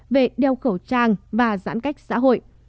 về đeo khẩu trang và giãn cách xã hội